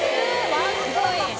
ワンコイン。